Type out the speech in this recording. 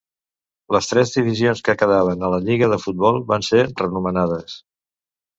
Les tres divisions que quedaven a la Lliga de Futbol van ser renomenades.